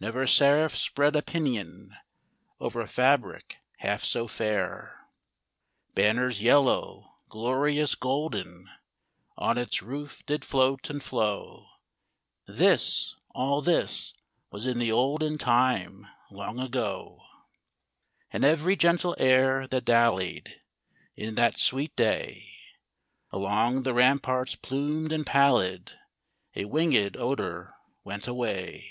Never seraph spread a pinion Over fabric half so fair! Banners yellow, glorious, golden, On its roof did float and flow, (This all this was in the olden Time long ago), And every gentle air that dallied, In that sweet day, Along the ramparts plumed and pallid, A winged odor went away.